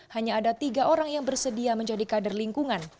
hanya ada tiga orang yang bersedia menjadi kader lingkungan